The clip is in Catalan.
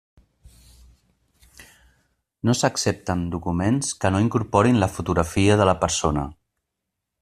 No s'accepten documents que no incorporin la fotografia de la persona.